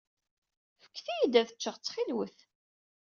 Fket-iyi-d ad ččeɣ, ttxil-wat.